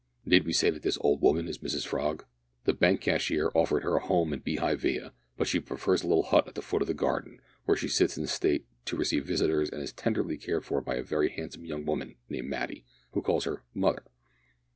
Need we say that this old woman is Mrs Frog? The Bank Cashier offered her a home in Beehive Villa, but she prefers the little hut at the foot of the garden, where she sits in state to receive visitors and is tenderly cared for by a very handsome young woman named Matty, who calls her "mother".